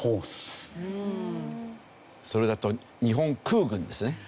それだと日本空軍ですね。